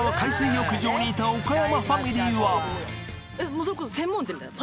もうそれこそ専門店みたいな。